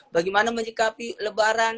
bagaimana menyikapi lebaran